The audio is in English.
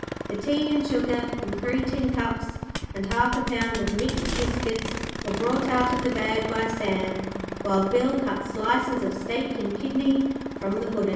The tea and sugar and three tin cups and half a pound of mixed biscuits were brought out of the bag by Sam, while Bill cut slices of steak and kidney from the Puddin'.